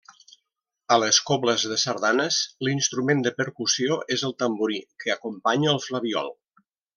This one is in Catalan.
A les cobles de sardanes l'instrument de percussió és el tamborí, que acompanya el flabiol.